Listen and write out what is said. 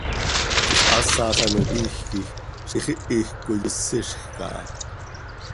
Ziix haasax ano quiij quij ziix ihic coi isiizjc aha.